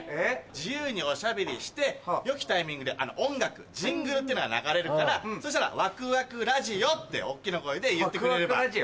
自由におしゃべりしてよきタイミングで音楽ジングルっていうのが流れるからそしたら「わくわくラジオ」って大っきな声で言ってくれれば。